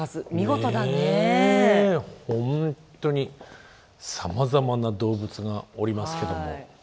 本当にさまざまな動物がおりますけども。